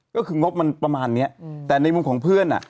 ก็คืองบมันประมาณเนี้ยแต่ในมุมของเพื่อนอ่ะ